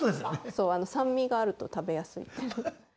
そう酸味があると食べやすい。